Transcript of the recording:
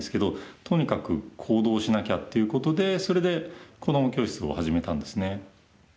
とにかく行動しなきゃっていうことでそれで子ども教室を始めたんですね。